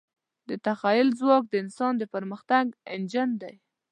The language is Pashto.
د تخیل ځواک د انسان د پرمختګ انجن دی.